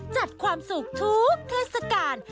จัดความสุขทุกทุกษ์ทะสกาล